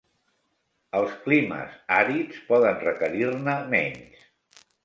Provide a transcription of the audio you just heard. Els climes àrids poden requerir-ne menys.